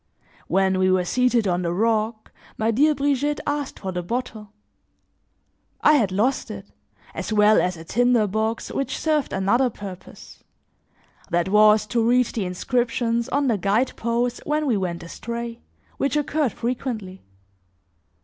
When we were seated on the rock, my dear Brigitte asked for the bottle; I had lost it, as well as a tinder box which served another purpose: that was to read the inscriptions on the guide posts when we went astray, which occurred frequently.